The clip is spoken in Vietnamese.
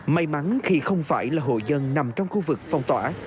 may mắn khi không phải là hộ dân nằm trong khu vực phong tỏa